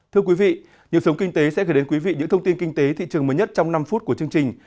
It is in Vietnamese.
thưa quý vị nhiệm sống kinh tế sẽ gửi đến quý vị những thông tin kinh tế thị trường mới nhất trong năm phút của chương trình